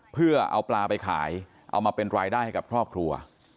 เพื่อเอาปลาไปขายเอามาเป็นรายได้ให้กับครอบครัว